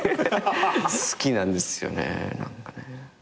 好きなんですよね何かね。